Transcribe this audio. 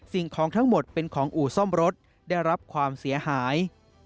สิ่งของทั้งหมดเป็นของอู่ซ่อมรถได้รับความเสียหาย